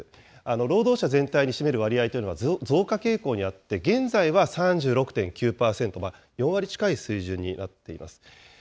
労働者全体に占める割合というのは増加傾向にあって、現在は３６．９％、４割近い水準になっています。